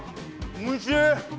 おいしい！